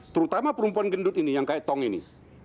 terutama perempuan gendut ini yang kayak tong ini